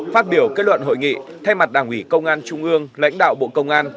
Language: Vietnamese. phát biểu kết luận hội nghị thay mặt đảng ủy công an trung ương lãnh đạo bộ công an